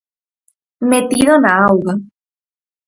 Metido na auga.